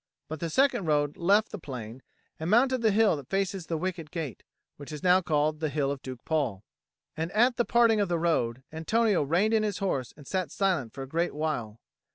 But the second road left the plain, and mounted the hill that faces the wicket gate, which is now called the Hill of Duke Paul. And at the parting of the road, Antonio reined in his horse and sat silent for a great while.